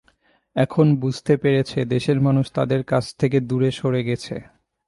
এখন বুঝতে পেরেছে দেশের মানুষ তাদের কাছ থেকে দূরে সরে গেছে।